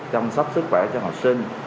chăm sóc sức khỏe cho học sinh